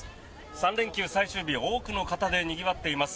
３連休最終日多くの方でにぎわっています。